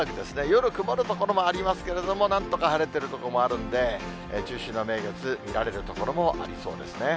夜、曇る所もありますけれども、なんとか晴れてる所もあるんで、中秋の名月、見られる所もありそうですね。